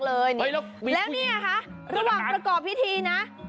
แล้วนี่ไงคะระหว่างประกอบพิธีนะ